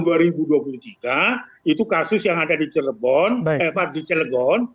nah itu kasus yang ada di celebon di celegon